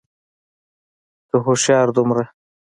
که هوښيار دومره